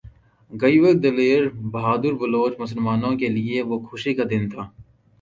غیور دلیر بہادر بلوچ مسلمان کے لیئے وہ خوشی کا دن تھا